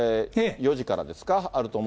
４時からですね。